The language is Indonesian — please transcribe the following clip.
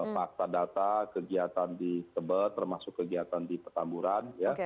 fakta data kegiatan di tebet termasuk kegiatan di petamburan